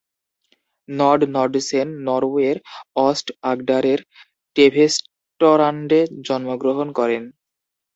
Nod Knudsen নরওয়ের অস্ট-আগডারের টেভেস্টরান্ডে জন্মগ্রহণ করেন।